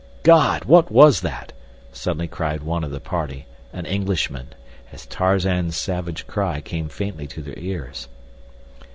"God! What was that?" suddenly cried one of the party, an Englishman, as Tarzan's savage cry came faintly to their ears.